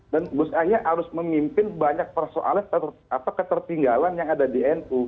dan gus yahya harus memimpin banyak persoalan atau ketertinggalan yang ada di nu